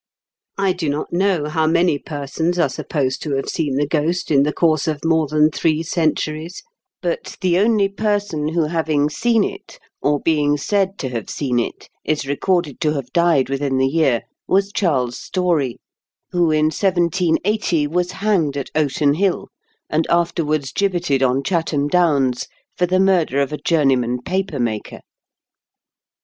I do not know how many persons are supposed to have seen the ghost in the course of more than three centuries; but the only person who, having seen it, or being said to have seen it, is recorded to have died within the year was Charles Story, who in 1780 was hanged at QH08T 8T0BIE3. 167 Oaten Hill, and afterwards gibbeted on Chatham Downs, for the murder of a journey man paper maker.